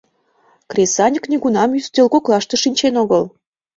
— Кресаньык нигунам ӱстел коклаште шинчен огыл.